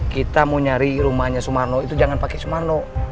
kita mau nyari rumahnya sumarno itu jangan pakai sumarno